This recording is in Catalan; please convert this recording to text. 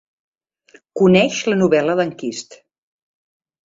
Coneix la novel·la d'Enquist.